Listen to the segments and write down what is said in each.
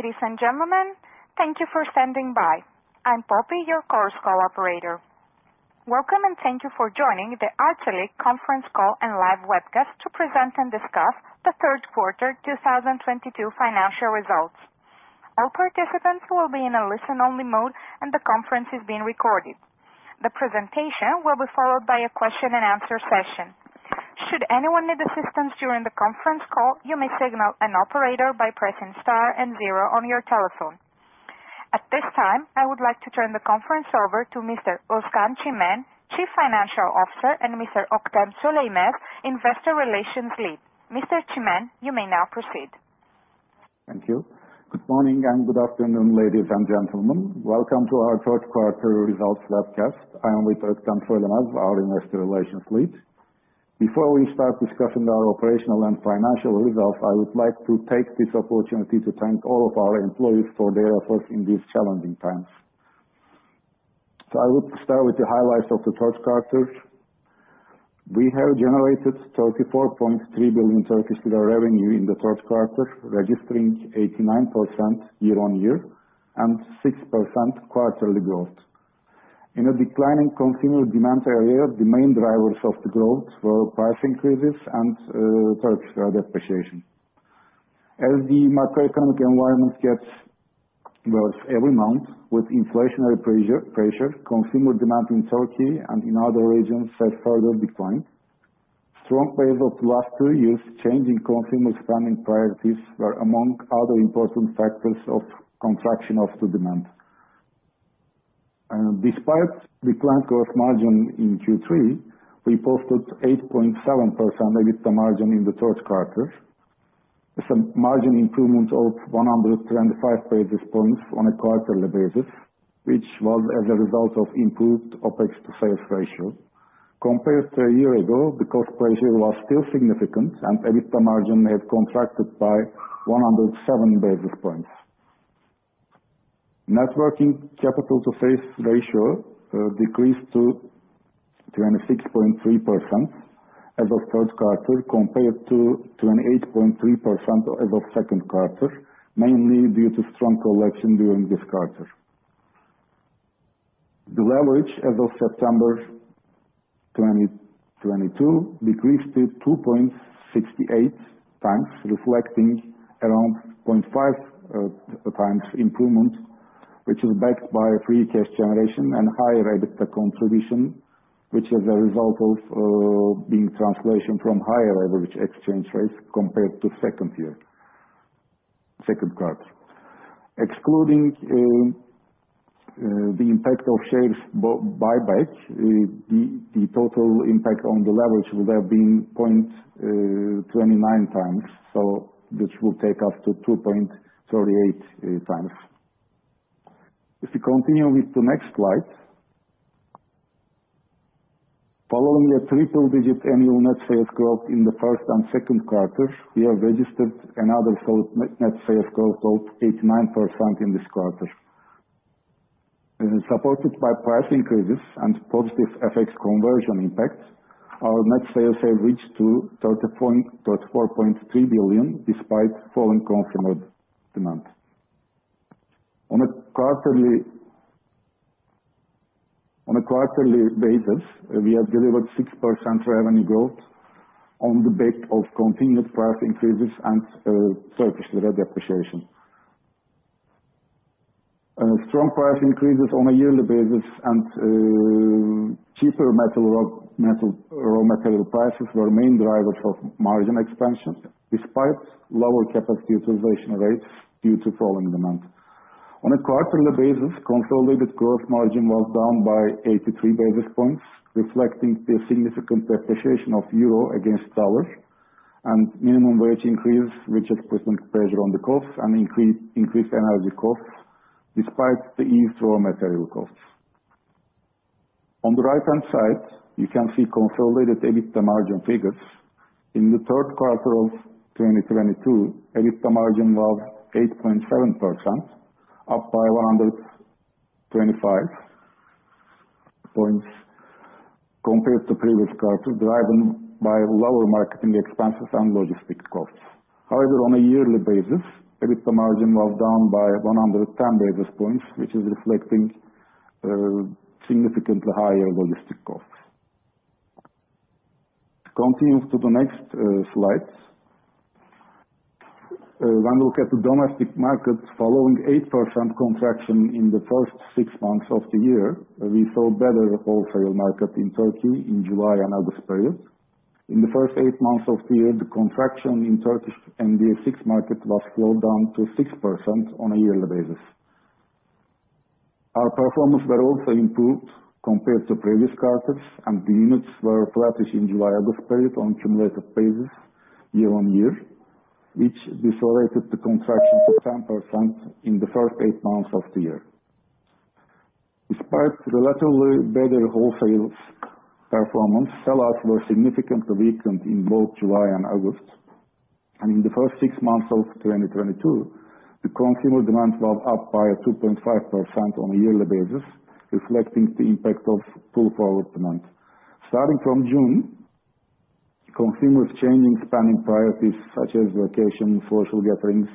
Ladies and gentlemen, thank you for standing by. I'm Poppy, your Chorus Call operator. Welcome, and thank you for joining the Arçelik conference call and live webcast to present and discuss the Third Quarter 2022 Financial Results. All participants will be in a listen-only mode, and the conference is being recorded. The presentation will be followed by a question and answer session. Should anyone need assistance during the conference call, you may signal an operator by pressing star and zero on your telephone. At this time, I would like to turn the conference over to Mr. Özkan Çimen, Chief Financial Officer, and Mr. Polat Şen, Investor Relations Lead. Mr. Çimen, you may now proceed. Thank you. Good morning and good afternoon, ladies and gentlemen. Welcome to our third quarter results webcast. I am with Polat Şen, our investor relations lead. Before we start discussing our operational and financial results, I would like to take this opportunity to thank all of our employees for their effort in these challenging times. I would start with the highlights of the third quarter. We have generated 34.3 billion Turkish lira revenue in the third quarter, registering 89% year-on-year and 6% quarterly growth. In a declining consumer demand area, the main drivers of the growth were price increases and Turkish lira depreciation. As the macroeconomic environment gets worse every month with inflationary pressure, consumer demand in Turkey and in other regions has further declined. Strong pace of last two years change in consumer spending priorities were among other important factors of contraction of the demand. Despite the planned growth margin in Q3, we posted 8.7% EBITDA margin in the third quarter. It's a margin improvement of 105 basis points on a quarterly basis, which was as a result of improved OpEx to sales ratio. Compared to a year ago, the cost pressure was still significant and EBITDA margin had contracted by 107 basis points. Net working capital to sales ratio decreased to 26.3% as of third quarter compared to 28.3% as of second quarter, mainly due to strong collection during this quarter. The leverage as of September 2022 decreased to 2.68x, reflecting around 0.5x improvement, which is backed by free cash generation and higher EBITDA contribution, which is a result of the translation from higher FX exchange rates compared to second quarter. Excluding the impact of shares buyback, the total impact on the leverage would have been 0.29x, so this will take us to 2.38x. If you continue with the next slide. Following a triple-digit annual net sales growth in the first and second quarters, we have registered another net sales growth of 89% in this quarter. This is supported by price increases and positive FX conversion impact. Our net sales have reached to 34.3 billion despite falling consumer demand. On a quarterly basis, we have delivered 6% revenue growth on the back of continued price increases and Turkish lira depreciation. Strong price increases on a yearly basis and cheaper metal raw material prices were main drivers for margin expansion despite lower capacity utilization rates due to falling demand. On a quarterly basis, consolidated gross margin was down by 83 basis points, reflecting the significant depreciation of euro against dollar and minimum wage increase, which put pressure on the costs and increased energy costs despite the easing raw material costs. On the right-hand side, you can see consolidated EBITDA margin figures. In the third quarter of 2022, EBITDA margin was 8.7%, up by 125 points compared to previous quarter, driven by lower marketing expenses and logistics costs. However, on a yearly basis, EBITDA margin was down by 110 basis points, which is reflecting significantly higher logistic costs. Continue to the next slides. When we look at the domestic markets following 8% contraction in the first six months of the year, we saw better wholesale market in Turkey in July and August period. In the first eight months of the year, the contraction in Turkish MDA market was slowed down to 6% on a yearly basis. Our performance were also improved compared to previous quarters, and the units were flat-ish in July-August period on cumulative basis year-over-year, which decelerated the contraction to 10% in the first eight months of the year. Despite relatively better wholesales performance, sell outs were significantly weakened in both July and August. In the first six months of 2022, the consumer demand was up by 2.5% on a yearly basis, reflecting the impact of pull forward demand. Starting from June, consumers changing spending priorities, such as vacations, social gatherings,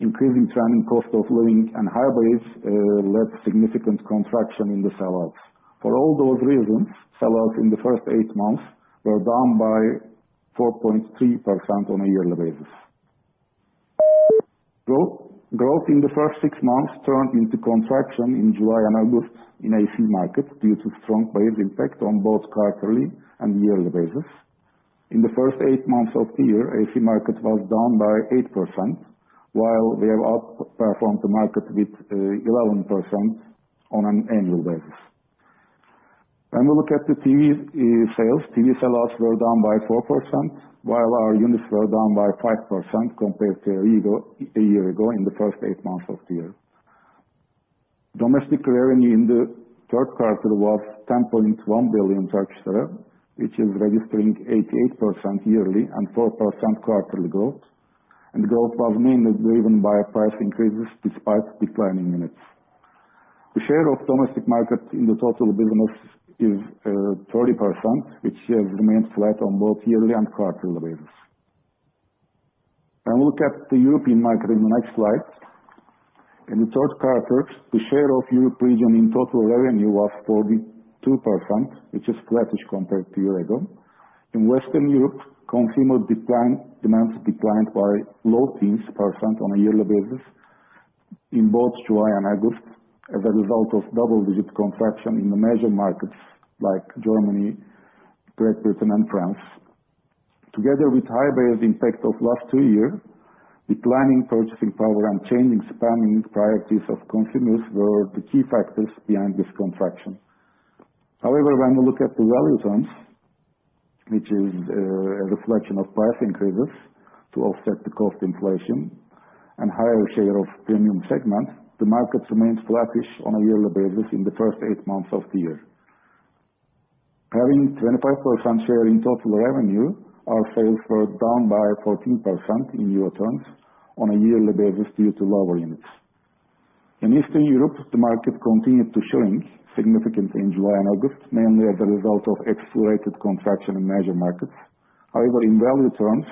increasing trending cost of living and high base, led significant contraction in the sales. For all those reasons, sales in the first eight months were down by 4.3% on a yearly basis. Growth in the first six months turned into contraction in July and August in AC market due to strong base impact on both quarterly and yearly basis. In the first eight months of the year, AC market was down by 8%, while we have outperformed the market with 11% on an annual basis. When we look at the TV sales, TV sales were down by 4%, while our units were down by 5% compared to a year ago in the first eight months of the year. Domestic revenue in the third quarter was 10.1 billion Turkish lira, which is registering 88% yearly and 4% quarterly growth. Growth was mainly driven by price increases despite declining units. The share of domestic market in the total business is 30%, which has remained flat on both yearly and quarterly basis. We look at the European market in the next slide. In the third quarter, the share of Europe region in total revenue was 42%, which is flattish compared to a year ago. In Western Europe, consumer demand declined by low teens % on a yearly basis in both July and August as a result of double-digit contraction in the major markets like Germany, Great Britain and France. Together with high base impact of last two years, declining purchasing power and changing spending priorities of consumers were the key factors behind this contraction. However, when we look at the value terms, which is a reflection of price increases to offset the cost inflation and higher share of premium segment, the markets remain flattish on a yearly basis in the first 8 months of the year. Having 25% share in total revenue, our sales were down by 14% in EUR terms on a yearly basis due to lower units. In Eastern Europe, the market continued to shrink significantly in July and August, mainly as a result of accelerated contraction in major markets. However, in value terms,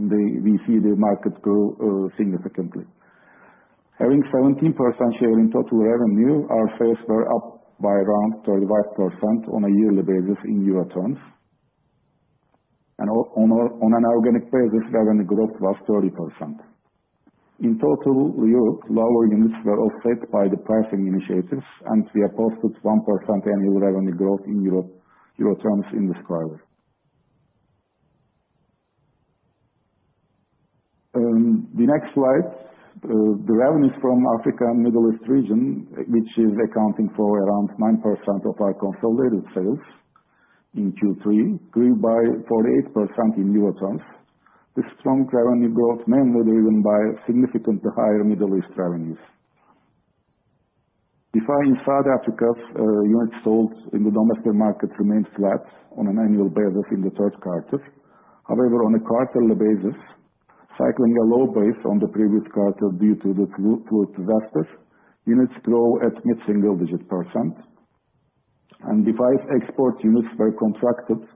we see the market grow significantly. Having 17% share in total revenue, our sales were up by around 35% on a yearly basis in euro terms. On an organic basis, revenue growth was 30%. In total, Europe lower units were offset by the pricing initiatives, and we have posted 1% annual revenue growth in Europe euro terms in this quarter. The next slide, the revenues from Africa and Middle East region, which is accounting for around 9% of our consolidated sales in Q3, grew by 48% in euro terms. The strong revenue growth mainly driven by significantly higher Middle East revenues. In South Africa, units sold in the domestic market remained flat on an annual basis in the third quarter. However, on a quarterly basis, cycling a low base on the previous quarter due to the flood disaster, units grow at mid-single-digit %. [Device export units] were contracted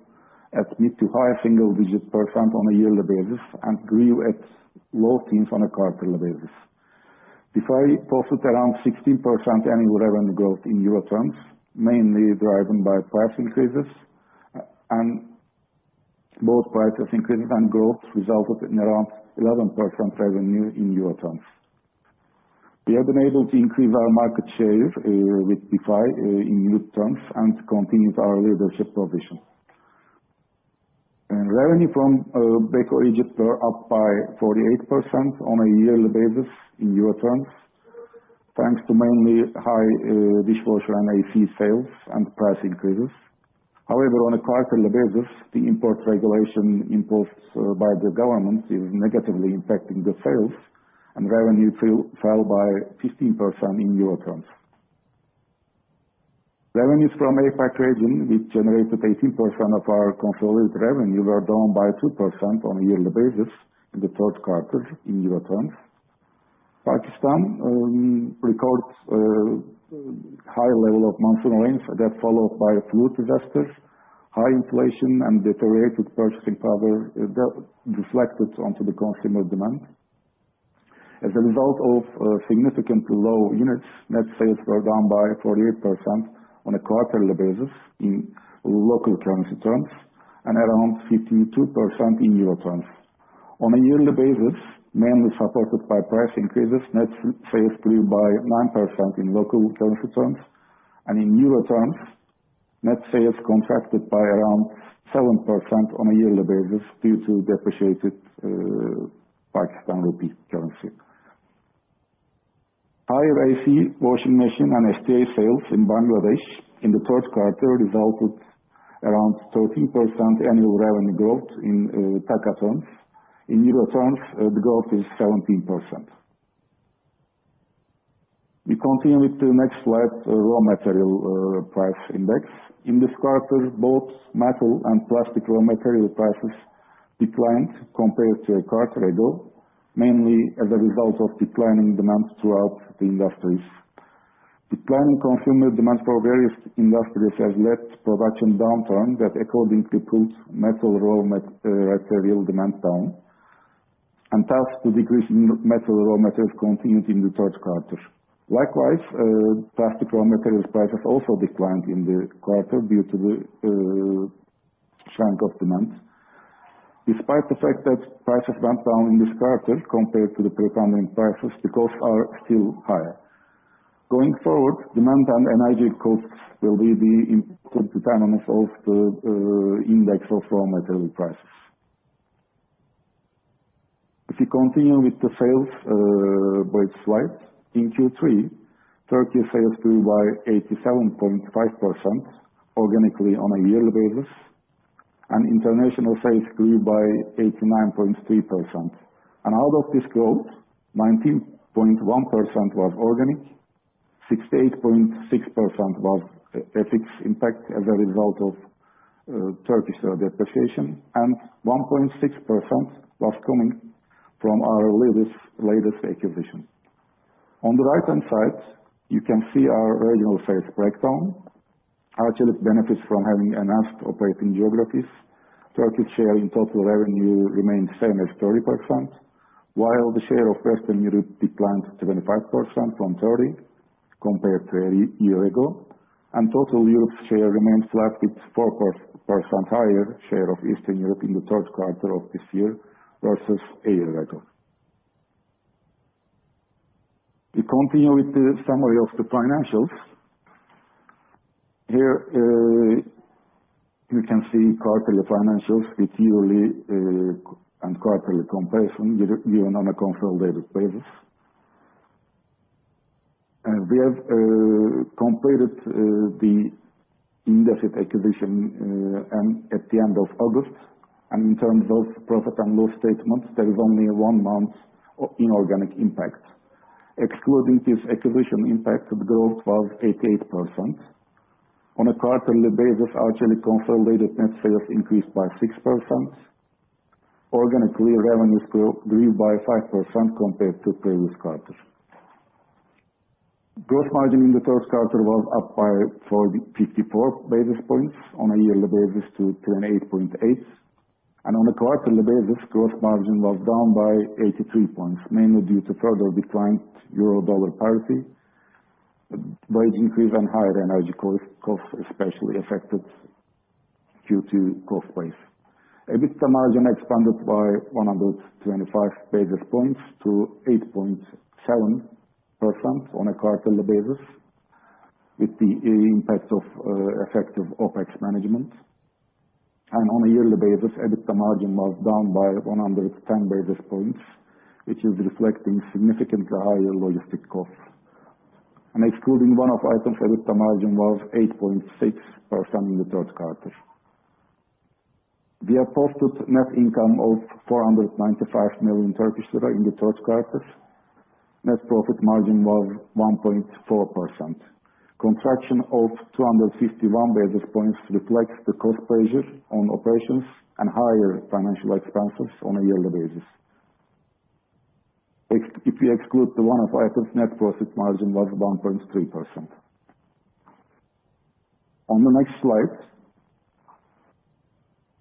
at mid- to high-single-digit % on a yearly basis and grew at low-teens % on a quarterly basis. It posted around 16% annual revenue growth in euro terms, mainly driven by price increases. Both price increases and growth resulted in around 11% revenue in euro terms. We have been able to increase our market share with Defy in unit terms and continued our leadership position. Revenue from Beko Egypt were up by 48% on a yearly basis in euro terms, thanks to mainly high dishwasher and AC sales and price increases. However, on a quarterly basis, the import regulation imposed by the government is negatively impacting the sales, and revenue fell by 15% in euro terms. Revenues from APAC region, which generated 18% of our consolidated revenue, were down by 2% on a yearly basis in the third quarter in euro terms. Pakistan records high level of monsoon rains that followed by flood disasters. High inflation and deteriorated purchasing power reflected onto the consumer demand. As a result of significantly low units, net sales were down by 48% on a quarterly basis in local currency terms and around 52% in euro terms. On a yearly basis, mainly supported by price increases, net sales grew by 9% in local currency terms. In euro terms, net sales contracted by around 7% on a yearly basis due to depreciated Pakistan rupee currency. Higher AC, washing machine and SDA sales in Bangladesh in the third quarter resulted around 13% annual revenue growth in Taka terms. In euro terms, the growth is 17%. We continue with the next slide, raw material price index. In this quarter, both metal and plastic raw material prices declined compared to a quarter ago, mainly as a result of declining demand throughout the industries. Declining consumer demand for various industries has led to production downturn that accordingly pulls metal raw material demand down. Thus the decrease in metal raw materials continued in the third quarter. Likewise, plastic raw materials prices also declined in the quarter due to the shrink of demand. Despite the fact that prices went down in this quarter compared to the pre-pandemic prices, the costs are still higher. Going forward, demand and energy costs will be the main determinants of the index of raw material prices. If you continue with the sales by segment. In Q3, Turkey sales grew by 87.5% organically on a yearly basis, and international sales grew by 89.3%. Out of this growth, 19.1% was organic, 68.6% was FX impact as a result of Turkish lira depreciation, and 1.6% was coming from our latest acquisition. On the right-hand side, you can see our regional sales breakdown. Arçelik benefits from having enhanced operating geographies. Turkey's share in total revenue remains same as 30%, while the share of Western Europe declined to 25% from 30% compared to a year ago. Total Europe's share remains flat with 4% higher share of Eastern Europe in the third quarter of this year versus a year ago. We continue with the summary of the financials. Here, you can see quarterly financials with yearly and quarterly comparison given on a consolidated basis. We have completed the Indesit acquisition at the end of August, and in terms of profit and loss statements, there is only one month of inorganic impact. Excluding this acquisition impact, the growth was 88%. On a quarterly basis, Arçelik consolidated net sales increased by 6%. Organically, revenues grew by 5% compared to previous quarter. Gross margin in the third quarter was up by 45-50 basis points on a yearly basis to 28.8. On a quarterly basis, gross margin was down by 83 points, mainly due to further declined Euro/Dollar parity, wage increase, and higher energy cost especially affected Q2 cost base. EBITDA margin expanded by 125 basis points to 8.7% on a quarterly basis, with the impact of effective OpEx management. On a yearly basis, EBITDA margin was down by 110 basis points, which is reflecting significantly higher logistic costs. Excluding one-off items, EBITDA margin was 8.6% in the third quarter. We have posted net income of 495 million Turkish lira in the third quarter. Net profit margin was 1.4%. Construction of 251 basis points reflects the cost pressures on operations and higher financial expenses on a yearly basis. If you exclude the one-off items, net profit margin was 1.3%. On the next slide,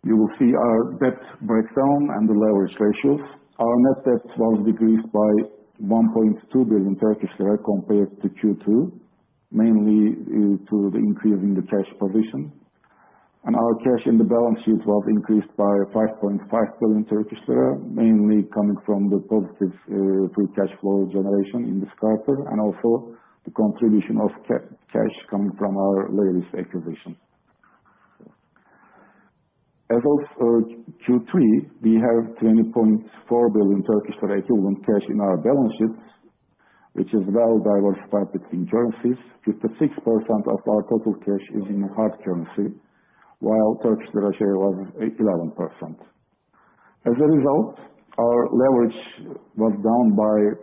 you will see our debt breakdown and the leverage ratios. Our net debt was decreased by 1.2 billion Turkish lira compared to Q2, mainly due to the increase in the cash position. Our cash in the balance sheet was increased by 5.5 billion Turkish lira, mainly coming from the positive free cash flow generation in this quarter, and also the contribution of cash coming from our latest acquisition. As of Q3, we have 20.4 billion Turkish lira equivalent cash in our balance sheets, which is well diversified between currencies, with 6% of our total cash in hard currency, while Turkish lira share was eleven percent. As a result, our leverage was down by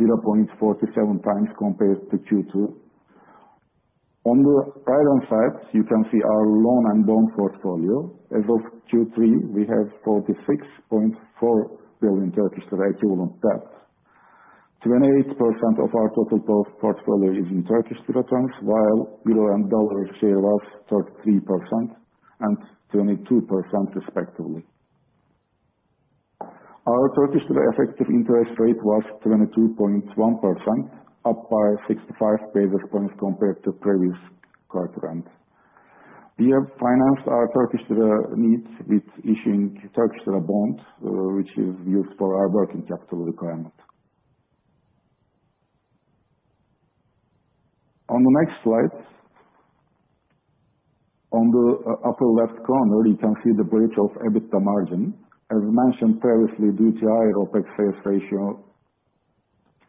0.47x compared to Q2. On the right-hand side, you can see our loan and bond portfolio. As of Q3, we have 46.4 billion Turkish lira equivalent debt. 28% of our total portfolio is in Turkish lira terms, while euro and dollar share was 33% and 22% respectively. Our Turkish lira effective interest rate was 22.1%, up by 65 basis points compared to previous quarter end. We have financed our Turkish lira needs with issuing Turkish lira bonds, which is used for our working capital requirement. On the next slide, on the upper left corner, you can see the bridge of EBITDA margin. As mentioned previously, due to higher OpEx sales ratio,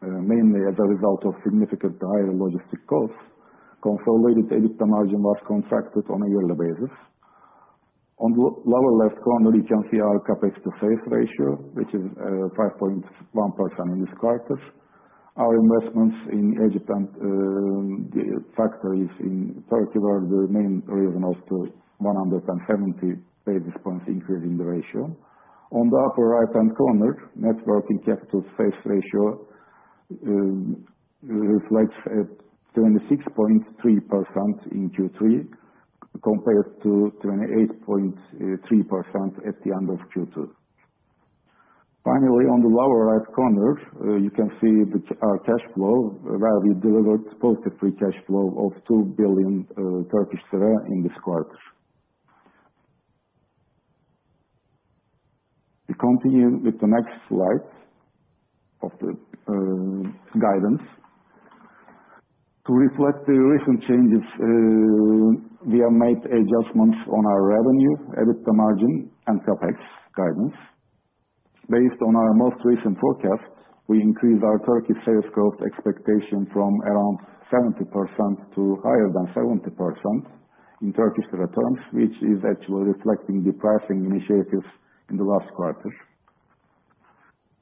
mainly as a result of significantly higher logistics costs, consolidated EBITDA margin was contracted on a yearly basis. On the lower left corner, you can see our CapEx to sales ratio, which is 5.1% in this quarter. Our investments in Egypt and the factories in Turkey were the main reason of those 170 basis points increase in the ratio. On the upper right-hand corner, net working capital to sales ratio reflects at 26.3% in Q3 compared to 28.3% at the end of Q2. Finally, on the lower right corner, you can see our cash flow, where we delivered positive free cash flow of 2 billion in this quarter. We continue with the next slide of the guidance. To reflect the recent changes, we have made adjustments on our revenue, EBITDA margin and CapEx guidance. Based on our most recent forecast, we increased our Turkish sales growth expectation from around 70% to higher than 70% in Turkish lira terms, which is actually reflecting the pricing initiatives in the last quarter.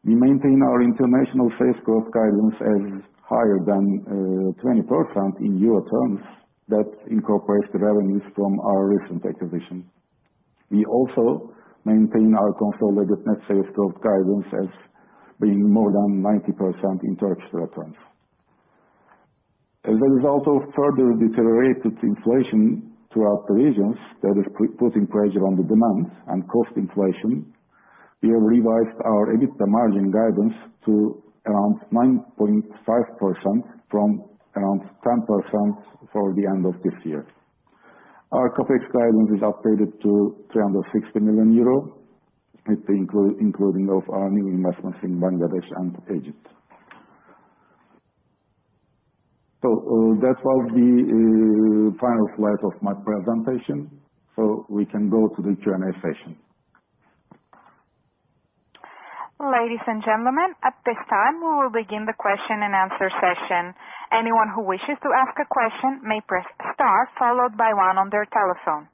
We maintain our international sales growth guidance as higher than 20% in euro terms. That incorporates the revenues from our recent acquisition. We also maintain our consolidated net sales growth guidance as being more than 90% in Turkish lira terms. As a result of further deteriorated inflation to our operations, that is putting pressure on the demand and cost inflation, we have revised our EBITDA margin guidance to around 9.5% from around 10% for the end of this year. Our CapEx guidance is upgraded to 360 million euro with the including of our new investments in Bangladesh and Egypt. That was the final slide of my presentation, so we can go to the Q&A session. Ladies and gentlemen, at this time, we will begin the question and answer session. Anyone who wishes to ask a question may press star followed by one on their telephone.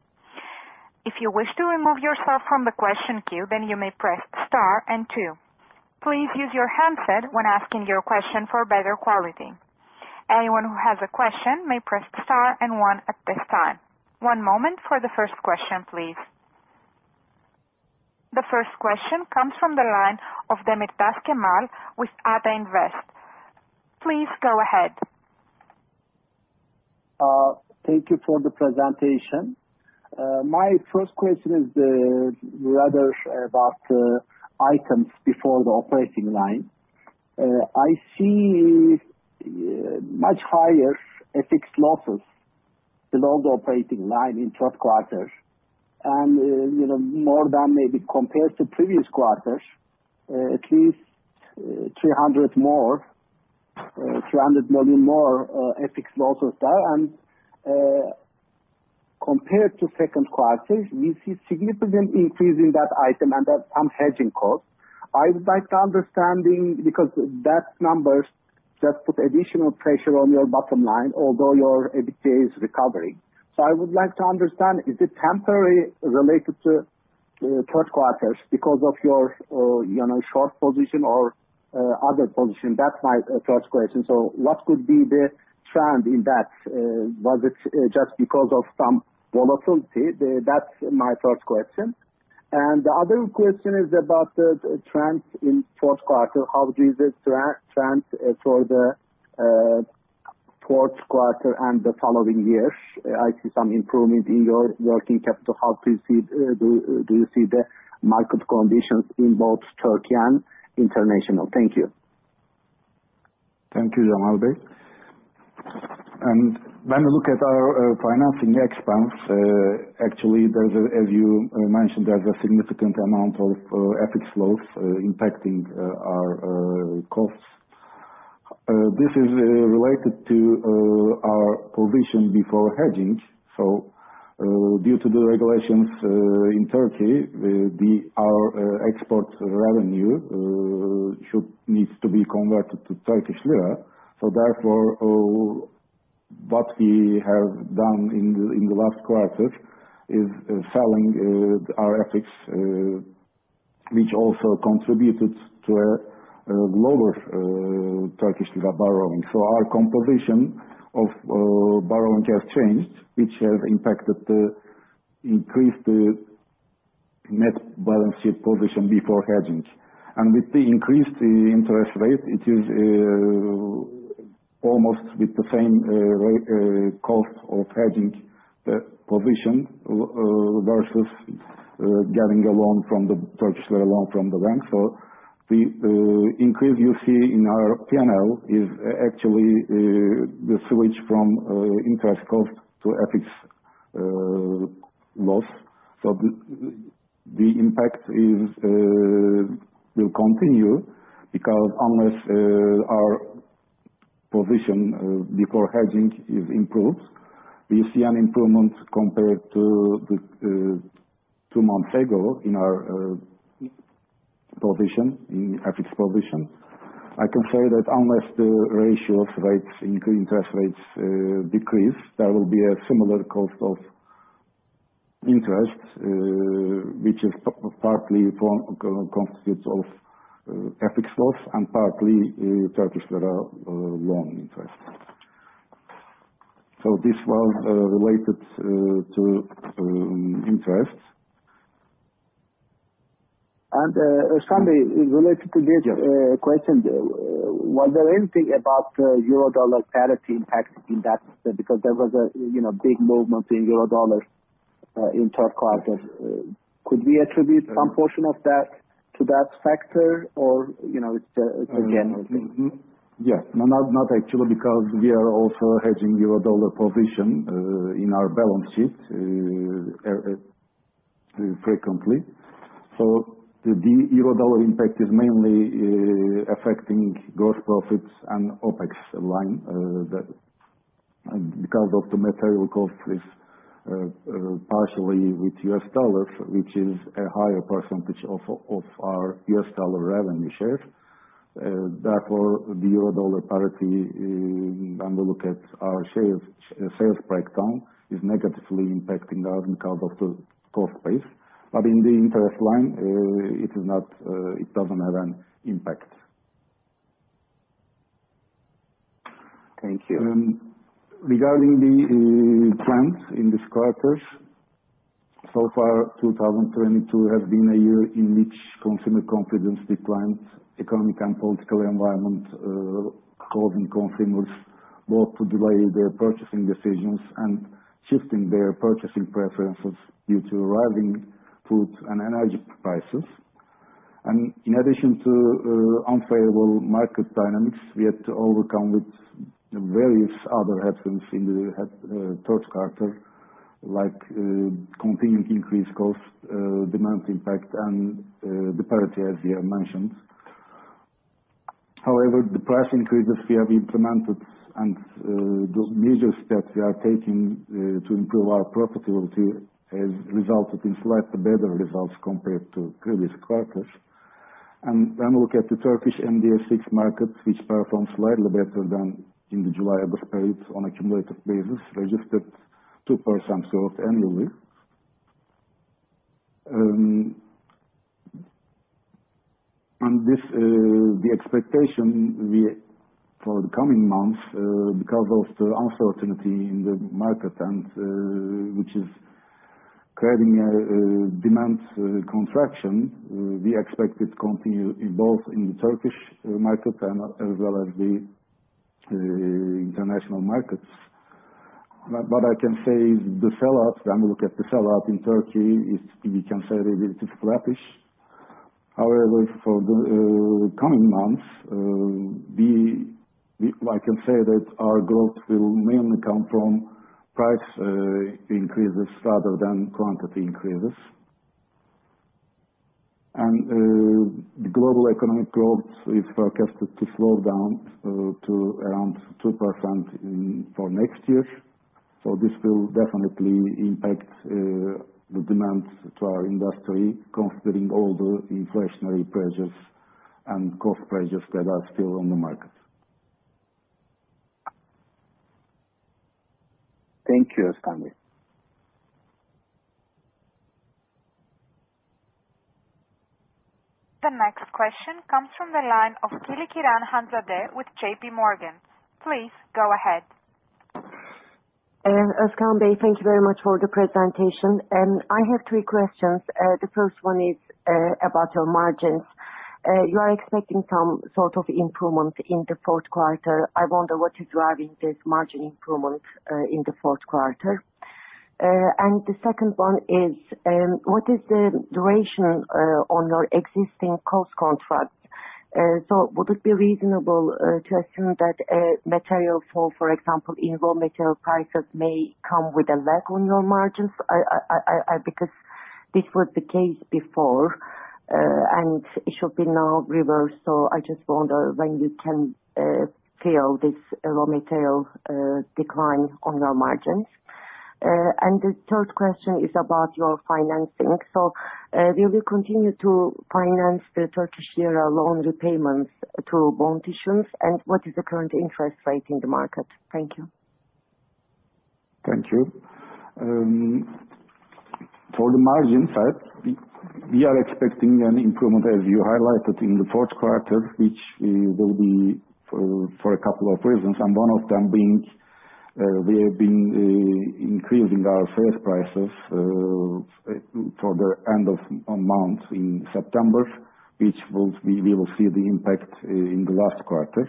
If you wish to remove yourself from the question queue, then you may press star and two. Please use your handset when asking your question for better quality. Anyone who has a question may press star and one at this time. One moment for the first question, please. The first question comes from the line of Cemal Demirtaş with Ata Invest. Please go ahead. Thank you for the presentation. My first question is rather about items before the operating line. I see much higher FX losses below the operating line in fourth quarter. You know, more than maybe compared to previous quarters, at least 300 million more FX losses there. Compared to second quarter, we see significant increase in that item and that's some hedging costs. I would like to understand because those numbers just put additional pressure on your bottom line although your EBITDA is recovering. I would like to understand, is it temporarily related to third quarter because of your, you know, short position or other position? That's my first question. What could be the trend in that? Was it just because of some volatility? That's my first question. The other question is about the trend in fourth quarter. How is the trend for the fourth quarter and the following years? I see some improvement in your working capital. How do you see the market conditions in both Turkey and international? Thank you. Thank you, Cemal Demirtaş. When you look at our financing expense, actually, as you mentioned, there's a significant amount of FX loss impacting our costs. This is related to our position before hedging. Due to the regulations in Turkey, our export revenue should need to be converted to Turkish lira. Therefore, what we have done in the last quarter is selling our FX, which also contributed to a lower Turkish lira borrowing. Our composition of borrowing has changed, which has impacted the increase the net balance sheet position before hedging. With the increased interest rate, it is almost with the same cost of hedging position versus getting a Turkish lira loan from the bank. The increase you see in our PNL is actually the switch from interest cost to FX loss. The impact will continue because unless our position before hedging is improved, we see an improvement compared to the two months ago in our FX position. I can say that unless the ratio of rates, including interest rates, decrease, there will be a similar cost of interest, which is partly FX loss and partly Turkish lira loan interest. This was related to interest. Özkan Çimen, related to this question. Was there anything about euro dollar parity impact in that? Because there was a, you know, big movement in euro dollar in third quarter. Could we attribute some portion of that to that factor or, you know, it's again- No, not actually, because we are also hedging euro-dollar position in our balance sheet frequently. The euro-dollar impact is mainly affecting gross profits and OpEx line. Because the material cost is partially with U.S. dollars, which is a higher percentage of our U.S. dollar revenue share. Therefore, the euro-dollar parity when we look at our sales breakdown is negatively impacting us because of the cost base. In the interest line, it is not, it doesn't have an impact. Thank you. Regarding the trends in this quarters. So far, 2022 has been a year in which consumer confidence declined. Economic and political environment causing consumers both to delay their purchasing decisions and shifting their purchasing preferences due to rising food and energy prices. In addition to unfavorable market dynamics, we had to overcome with various other headwinds in the third quarter, like continuing increased cost, demand impact and the parity, as you have mentioned. However, the price increases we have implemented and the measures that we are taking to improve our profitability has resulted in slightly better results compared to previous quarters. When we look at the Turkish MDA market, which performed slightly better than in the July period on a cumulative basis, registered 2% growth annually. The expectation we For the coming months, because of the uncertainty in the market and which is creating a demand contraction, we expect it to continue in both the Turkish market and as well as the international markets. What I can say is the sell-off, when we look at the sell-off in Turkey is we can say that it is flattish. However, for the coming months, I can say that our growth will mainly come from price increases rather than quantity increases. The global economic growth is forecasted to slow down to around 2% for next year. This will definitely impact the demand to our industry, considering all the inflationary pressures and cost pressures that are still on the market. Thank you, Özkan Çimen. The next question comes from the line of Hanzade Kilickiran with JPMorgan. Please go ahead. Özkan Çimen, thank you very much for the presentation. I have three questions. The first one is about your margins. You are expecting some sort of improvement in the fourth quarter. I wonder what is driving this margin improvement in the fourth quarter. The second one is what is the duration on your existing cost contracts. Would it be reasonable to assume that material, for example, raw material prices may come with a lag on your margins. Because this was the case before, and it should be now reversed. I just wonder when you can feel this raw material decline on your margins. The third question is about your financing. Will you continue to finance the Turkish lira loan repayments through bond issuance. What is the current interest rate in the market? Thank you. Thank you. For the margin side, we are expecting an improvement, as you highlighted in the fourth quarter, which will be for a couple of reasons, and one of them being we have been increasing our sales prices for the end of month in September, which we will see the impact in the last quarters.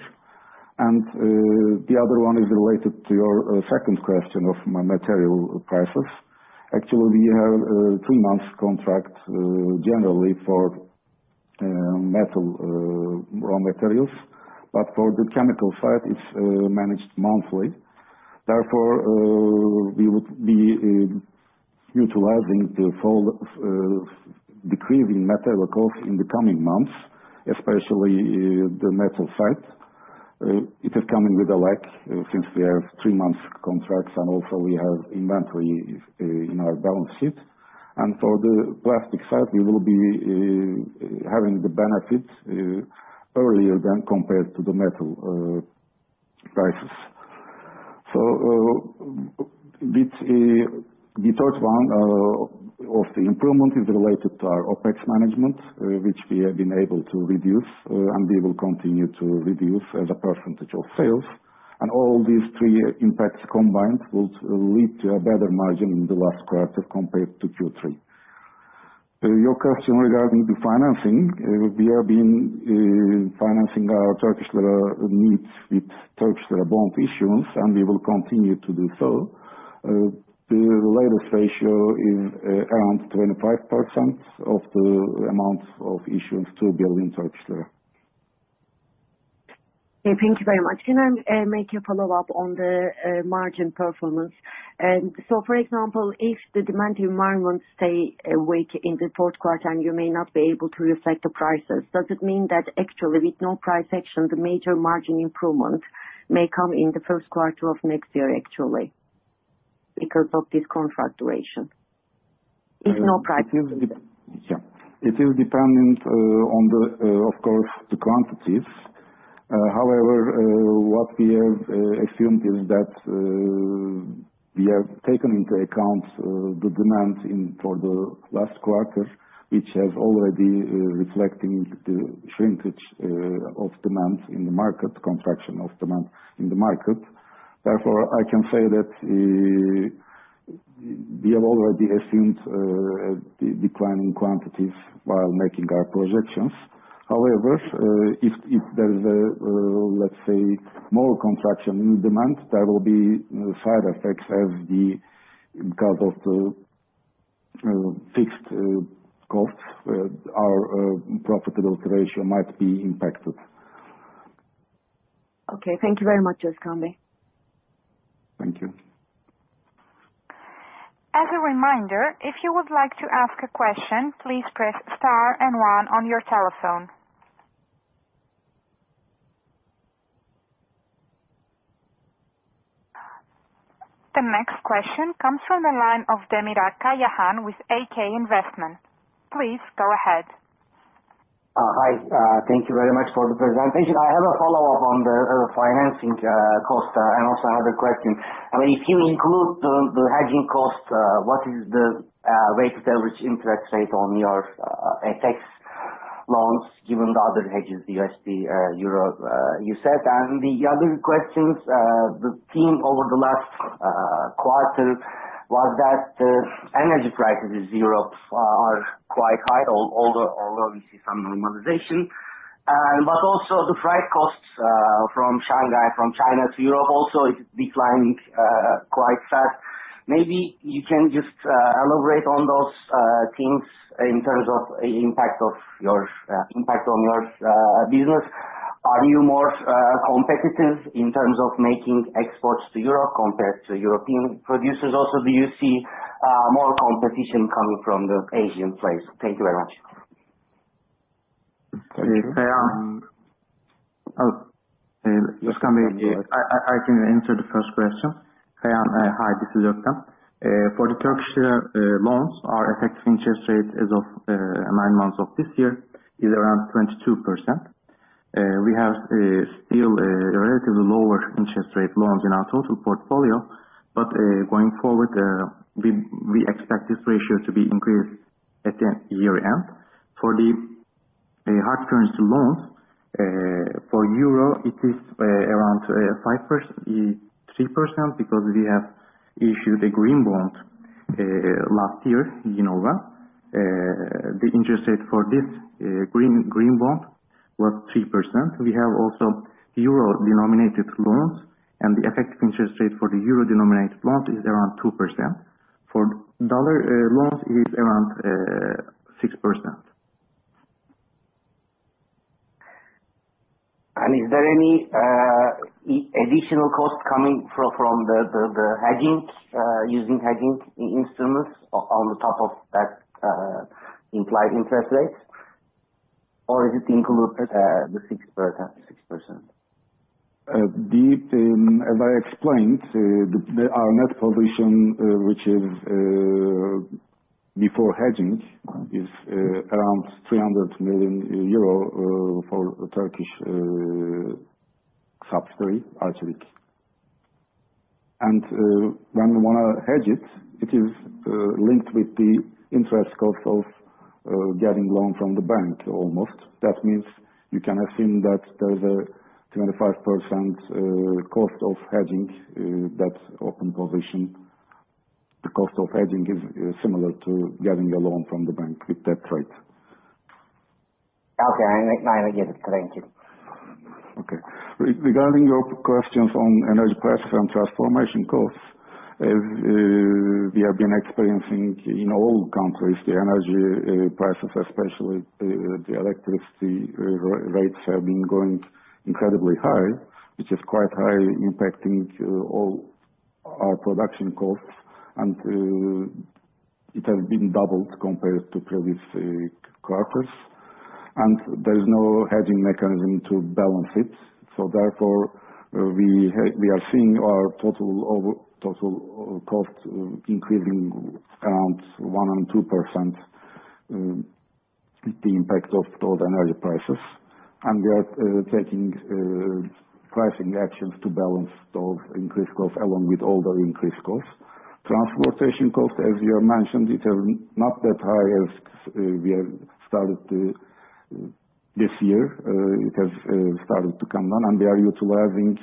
The other one is related to your second question of material prices. Actually, we have three months contract generally for metal raw materials. But for the chemical side, it's managed monthly. Therefore, we would be utilizing the full decreasing material cost in the coming months, especially the metal side. It is coming with a lag since we have three months contracts and also we have inventory in our balance sheet. For the plastic side, we will be having the benefits earlier than compared to the metal prices. With the third one of the improvement is related to our OpEx management, which we have been able to reduce and we will continue to reduce as a percentage of sales. All these three impacts combined will lead to a better margin in the last quarter compared to Q3. To your question regarding the financing, we have been financing our Turkish lira needs with Turkish lira bond issuance, and we will continue to do so. The latest ratio is around 25% of the amount of issuance to building Turkish lira. Yeah. Thank you very much. Can I make a follow-up on the margin performance? For example, if the demand environment stay weak in the fourth quarter, and you may not be able to reflect the prices, does it mean that actually with no price action, the major margin improvement may come in the first quarter of next year, actually, because of this contract duration? It is dependent on the quantities, of course. However, what we have assumed is that we have taken into account the demand for the last quarter, which has already reflecting the shrinkage of demand in the market, contraction of demand in the market. Therefore, I can say that we have already assumed a declining quantities while making our projections. However, if there is a let's say more contraction in demand, there will be side effects because of the fixed costs, our profitability ratio might be impacted. Okay. Thank you very much, Özkan Çimen. Thank you. As a reminder, if you would like to ask a question, please press star and one on your telephone. The next question comes from the line of Delal Alver with Ak Investment. Please go ahead. Hi. Thank you very much for the presentation. I have a follow-up on the financing cost and also another question. I mean, if you include the hedging cost, what is the weighted average interest rate on your FX loans given the other hedges, the USD, euro, you said? The other questions, the theme over the last quarter was that the energy prices in Europe are quite high, although we see some normalization. But also the freight costs from Shanghai, from China to Europe also is declining quite fast. Maybe you can just elaborate on those things in terms of impact on your business. Are you more competitive in terms of making exports to Europe compared to European producers also? Do you see more competition coming from the Asian price? Thank you very much. Thank you. Özkan, I can answer the first question. Hi, this is Polat Şen. For the Turkish lira loans, our effective interest rate as of nine months of this year is around 22%. We have still relatively lower interest rate loans in our total portfolio. Going forward, we expect this ratio to be increased at the year-end. For the hard currency loans, for euro it is around 5%, 3% because we have issued a green bond last year, you know that. The interest rate for this green bond was 3%. We have also euro-denominated loans, and the effective interest rate for the euro-denominated loans is around 2%. For dollar loans, is around 6%. Is there any additional cost coming from the hedging using hedging instruments on top of that implied interest rates, or is it included the 6%? As I explained, our net position, which is before hedging, is around EUR 300 million for the Turkish subsidiary, Arçelik. When we wanna hedge it is linked with the interest cost of getting loan from the bank almost. That means you can assume that there's a 25% cost of hedging that open position. The cost of hedging is similar to getting a loan from the bank with that rate. Okay. I get it. Thank you. Regarding your questions on energy prices and transformation costs, we have been experiencing in all countries the energy prices, especially the electricity rates, have been going incredibly high, which is quite high impacting to all our production costs. It has been doubled compared to previous quarters. There's no hedging mechanism to balance it. Therefore, we are seeing our total cost increasing around 1%-2% with the impact of total energy prices. We are taking pricing actions to balance those increased costs along with other increased costs. Transportation cost, as you have mentioned, it is not that high as we have started to this year. It has started to come down, and we are utilizing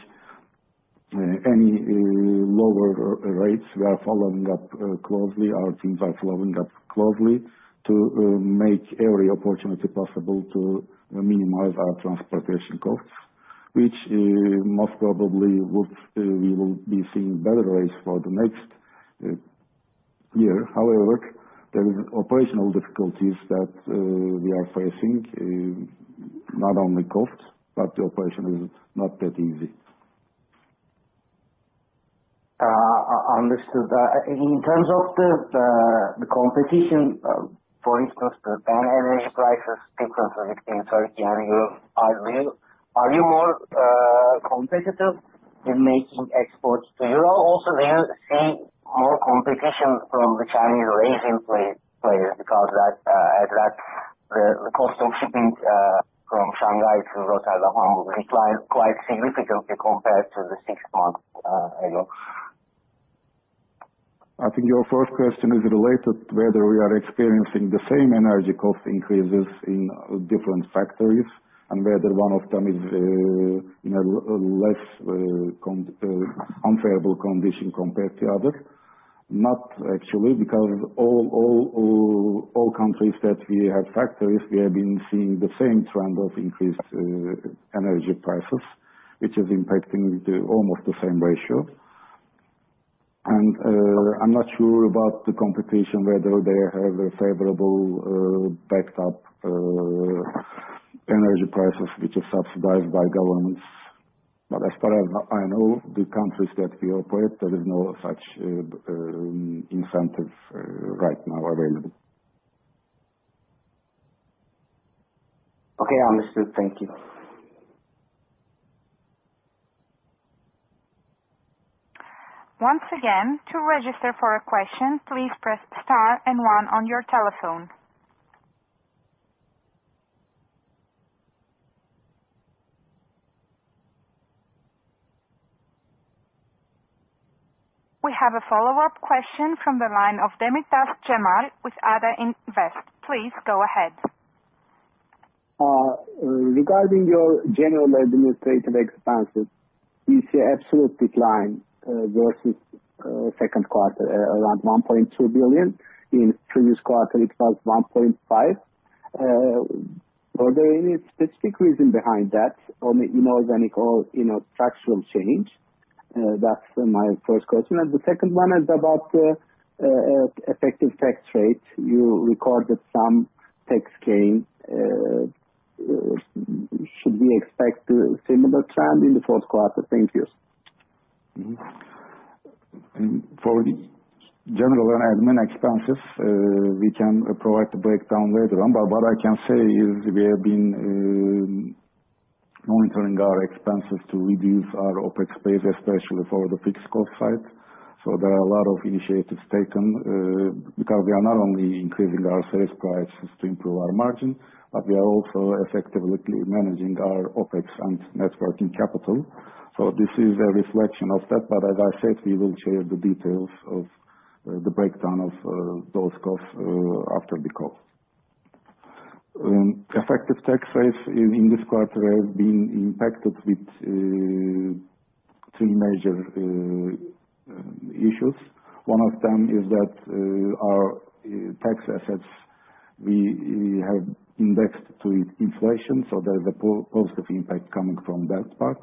any lower rates. We are following up closely. Our teams are following up closely to make every opportunity possible to minimize our transportation costs, which most probably would we will be seeing better ways for the next year. However, there is operational difficulties that we are facing, not only costs, but the operation is not that easy. Understood. In terms of the competition, for instance, the energy price differences between Turkey and Europe, are you more competitive in making exports to Europe? Also, do you see more competition from the Chinese and Asian players because as the cost of shipping from Shanghai to Rotterdam declined quite significantly compared to six months ago. I think your first question is related to whether we are experiencing the same energy cost increases in different factories and whether one of them is in a less unfavorable condition compared to other. Not actually, because all countries that we have factories, we have been seeing the same trend of increased energy prices, which is impacting almost the same ratio. I'm not sure about the competition whether they have a favorable backed up energy prices which is subsidized by governments. As far as I know, the countries that we operate, there is no such incentive right now available. Okay, understood. Thank you. Once again, to register for a question, please press star and one on your telephone. We have a follow-up question from the line of Cemal Demirtaş with Ata Invest. Please go ahead. Regarding your general administrative expenses, you see absolute decline versus second quarter around 1.2 billion. In previous quarter it was 1.5 billion. Are there any specific reason behind that or, you know, any cost you know, structural change? That's my first question. The second one is about the effective tax rate. You recorded some tax gain. Should we expect similar trend in the fourth quarter? Thank you. For the general and admin expenses, we can provide the breakdown later on, but what I can say is we have been monitoring our expenses to reduce our OpEx spend, especially for the fixed cost side. There are a lot of initiatives taken because we are not only increasing our sales prices to improve our margin, but we are also effectively managing our OpEx and net working capital. This is a reflection of that. As I said, we will share the details of the breakdown of those costs after the call. Effective tax rates in this quarter have been impacted with three major issues. One of them is that our tax assets we have indexed to inflation so that the positive impact coming from that part.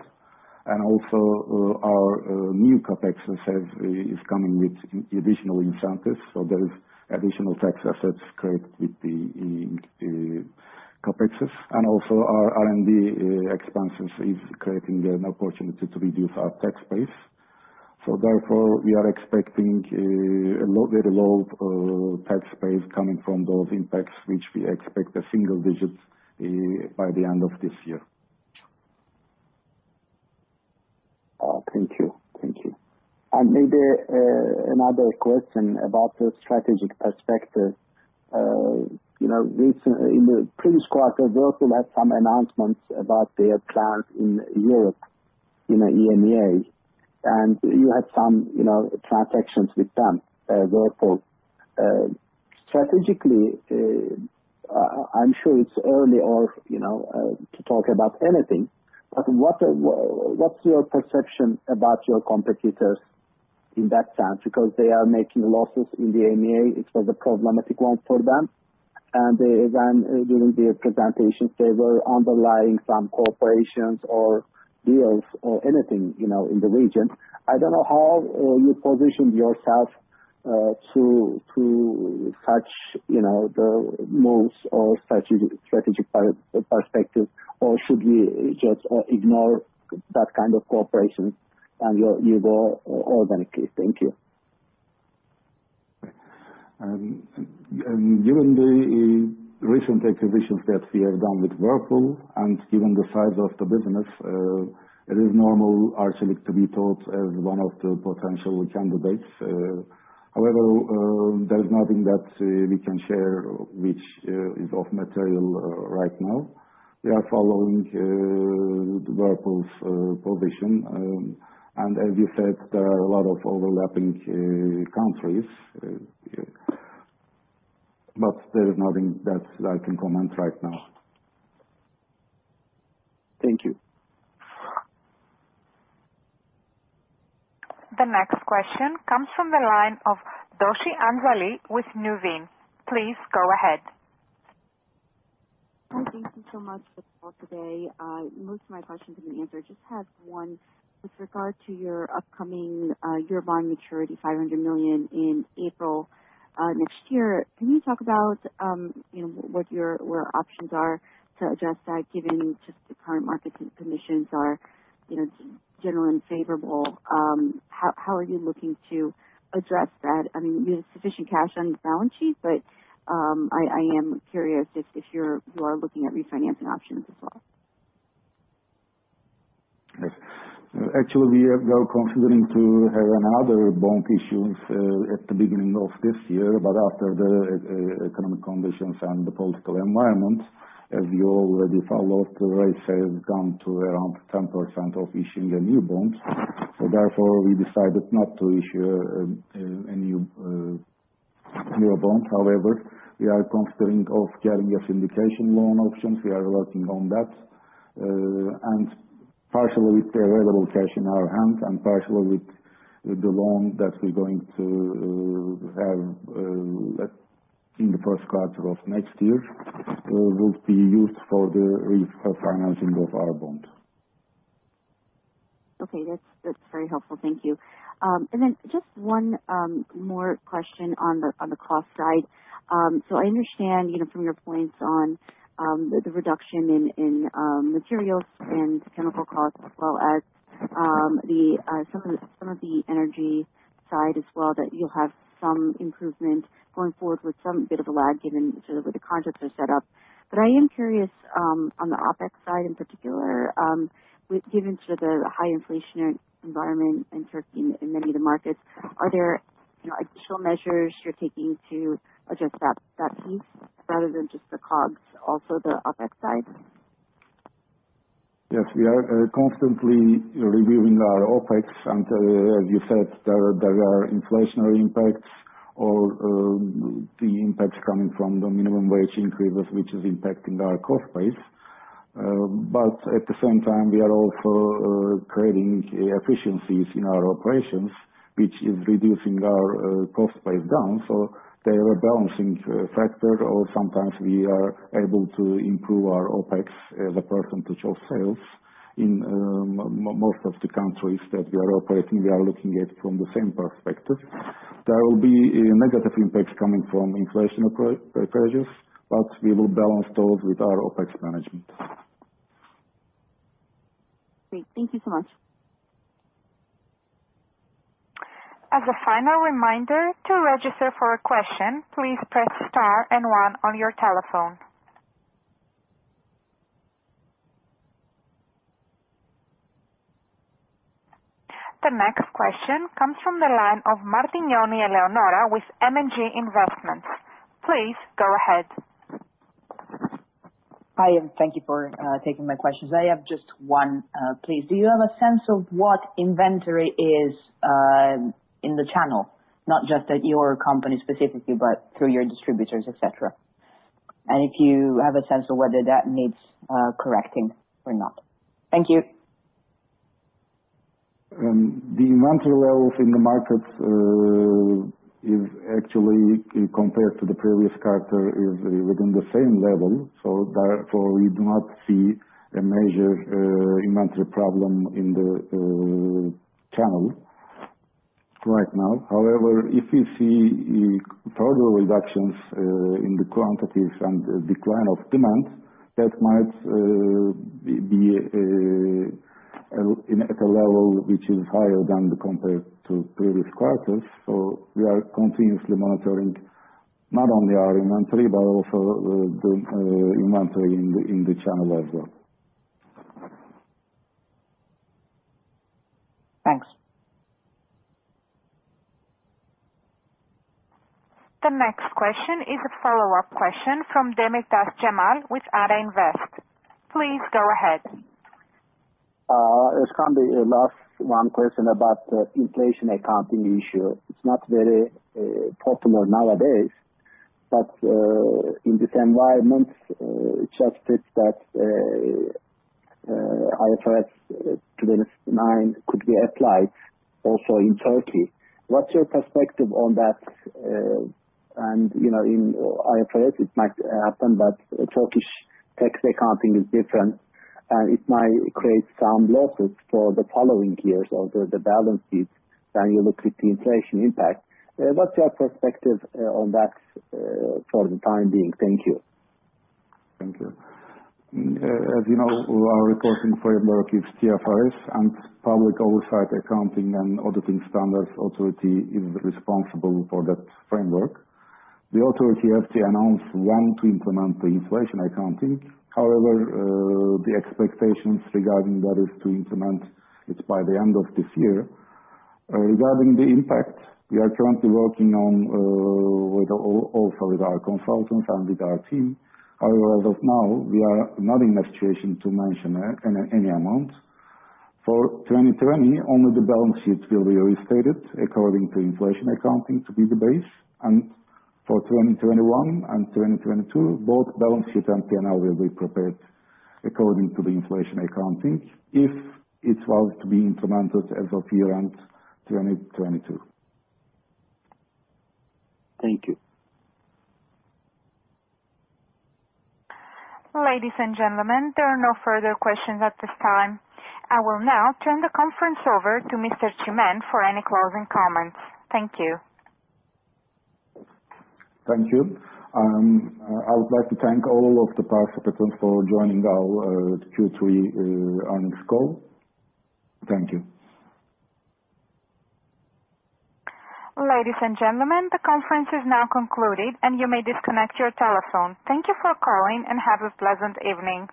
Our new CapEx itself is coming with additional incentives, so there is additional tax assets create with the CapExes. Our R&D expenses is creating an opportunity to reduce our tax base. We are expecting a very low tax base coming from those impacts, which we expect single digits by the end of this year. Thank you. Maybe another question about the strategic perspective. You know, in the previous quarter, Whirlpool had some announcements about their plans in Europe, in the EMEA, and you had some, you know, transactions with them, Whirlpool. Strategically, I'm sure it's early or, you know, to talk about anything, but what's your perception about your competitors in that sense? Because they are making losses in the EMEA. It was a problematic one for them. They then, during their presentations, they were underlying some corporations or deals or anything, you know, in the region. I don't know how you position yourself to catch, you know, the moves or strategic perspective, or should we just ignore that kind of cooperation and you go organically? Thank you. Given the recent acquisitions that we have done with Whirlpool and given the size of the business, it is normal for Arçelik to be thought as one of the potential candidates. However, there is nothing that we can share which is material right now. We are following Whirlpool's position. As you said, there are a lot of overlapping countries. There is nothing that I can comment right now. Thank you. The next question comes from the line of Anjali Doshi with Nuveen. Please go ahead. Thank you so much for the call today. Most of my questions have been answered. Just had one with regard to your upcoming Eurobond maturity, 500 million in April next year. Can you talk about, you know, what your options are to address that, given just the current market conditions are, you know, generally unfavorable, how are you looking to address that? I mean, you have sufficient cash on your balance sheet, but I am curious if you are looking at refinancing options as well. Yes. Actually, we are considering to have another bond issuance at the beginning of this year, but after the economic conditions and the political environment, as you already followed, the rates have gone to around 10% for issuing a new bond. Therefore we decided not to issue a new bond. However, we are considering getting a syndication loan options. We are working on that, and partially with the available cash in our hand and partially with the loan that we're going to have like in the first quarter of next year will be used for the refinancing of our bond. Okay. That's very helpful. Thank you. Then just one more question on the cost side. I understand, you know, from your points on the reduction in materials and chemical costs, as well as some of the energy side as well, that you'll have some improvement going forward with some bit of a lag given sort of the contracts are set up. I am curious on the OpEx side in particular, given the high inflationary environment in Turkey and many of the markets. Are there, you know, additional measures you're taking to address that piece rather than just the COGS, also the OpEx side? Yes, we are constantly reviewing our OpEx. As you said, there are inflationary impacts or the impacts coming from the minimum wage increases, which is impacting our cost base. At the same time, we are also creating efficiencies in our operations, which is reducing our cost base down. They are balancing factors or sometimes we are able to improve our OpEx as a percentage of sales. In most of the countries that we are operating, we are looking at from the same perspective. There will be a negative impact coming from inflationary pressures, but we will balance those with our OpEx management. Great. Thank you so much. As a final reminder, to register for a question, please press star and one on your telephone. The next question comes from the line of Eleonora Martignoni with M&G Investments. Please go ahead. Hi, thank you for taking my questions. I have just one, please. Do you have a sense of what inventory is in the channel? Not just at your company specifically, but through your distributors, et cetera. If you have a sense of whether that needs correcting or not. Thank you. The inventory levels in the markets is actually compared to the previous quarter, is within the same level. Therefore we do not see a major inventory problem in the channel right now. However, if we see further reductions in the quantities and decline of demand, that might be at a level which is higher than compared to previous quarters. We are continuously monitoring not only our inventory, but also the inventory in the channel as well. Thanks. The next question is a follow-up question from Cemal Demirtaş with Ata Invest. Please go ahead. It's gonna be a last one question about inflation accounting issue. It's not very popular nowadays, but in this environment, just if IAS 29 could be applied also in Turkey. What's your perspective on that? You know, in IFRS it might happen, but Turkish tax accounting is different, and it might create some losses for the following years of the balance sheet when you look at the inflation impact. What's your perspective on that for the time being? Thank you. Thank you. As you know, our reporting framework is TFRS and Public Oversight, Accounting and Auditing Standards Authority is responsible for that framework. The authority has to announce when to implement the inflation accounting. However, the expectations regarding that is to implement it by the end of this year. Regarding the impact, we are currently working on, with also with our consultants and with our team. However, as of now, we are not in a situation to mention, any amount. For 2020, only the balance sheets will be restated according to inflation accounting to be the base. For 2021 and 2022, both balance sheet and P&L will be prepared according to the inflation accounting, if it was to be implemented as of year-end 2022. Thank you. Ladies and gentlemen, there are no further questions at this time. I will now turn the conference over to Mr. Çimen for any closing comments. Thank you. Thank you. I would like to thank all of the participants for joining our Q3 Earnings Call. Thank you. Ladies and gentlemen, the conference is now concluded, and you may disconnect your telephone. Thank you for calling and have a pleasant evening.